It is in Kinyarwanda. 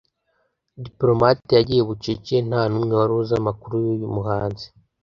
Diplomate yagiye bucece nta n’umwe wari uzi amakuru y’uyu muhanzi